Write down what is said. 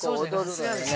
◆そうですね。